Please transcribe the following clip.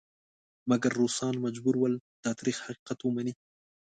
مګر روسان مجبور ول دا تریخ حقیقت ومني.